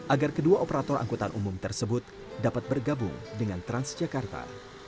agar kedua operator angkutan umum tersebut dapat bergabung dengan transjakarta